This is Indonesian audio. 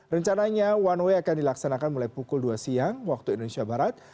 rencananya one way akan dilaksanakan mulai pukul dua siang waktu indonesia barat